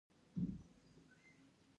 تاریخ د خیر او شر جګړه ده.